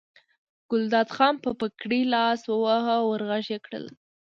ګلداد خان په پګړۍ لاس وواهه ور غږ یې کړل.